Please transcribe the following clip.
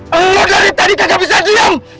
kamu dari tadi tidak bisa diam